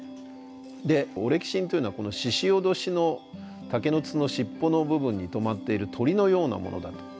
オレキシンというのはこのししおどしの竹の筒の尻尾の部分にとまっている鳥のようなものだと。